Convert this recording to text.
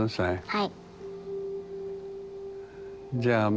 はい。